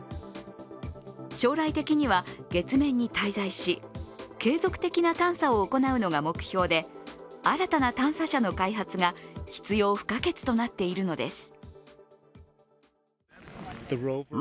将来的には月面に滞在し継続的な探査を行うのが目標で新たな探査車の開発が必要不可欠となっているのです。